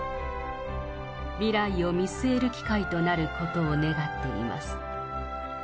未来を見据える機会となることを願っています。